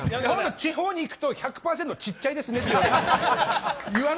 地方にいくと１００％、ちっちゃいですねって言われるんです。